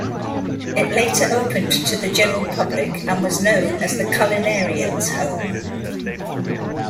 It later opened to the general public and was known as The Culinarians' Home.